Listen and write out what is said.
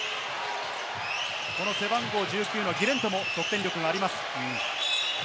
背番号１９のギレントも得点力があります。